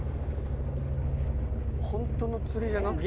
ホントの釣りじゃなくて？